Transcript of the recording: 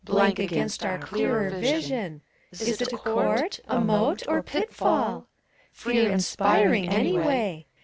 Blank against our clearer vision. Is 't a court? a moat, or pitfaU? Fear inspiring, any way!